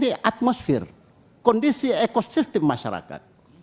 karena ini atmosfer kondisi ekosistem masyarakat